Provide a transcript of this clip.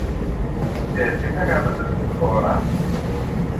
Και τι θα κάνετε στη χώρα;